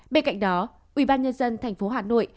bên cạnh đó ubnd tp hà nội